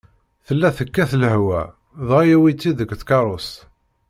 Tella tekkat lehwa, dɣa yewwi-tt-id deg tkeṛṛust.